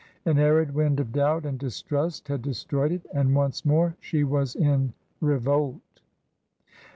An arid wind of doubt and distrust had de stroyed it, and once more she was in " revolt."